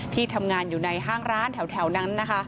ที่ทำงานอยู่ในห้างร้านแถวนั้นนะคะ